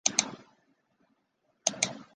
沙口镇是下辖的一个乡镇级行政单位。